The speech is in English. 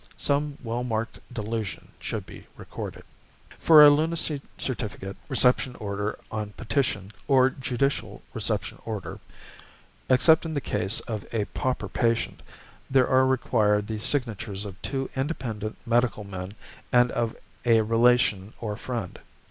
Some well marked delusion should be recorded. For a lunacy certificate (Reception Order on Petition or Judicial Reception Order), except in the case of a pauper patient, there are required the signatures of two independent medical men and of a relation or friend.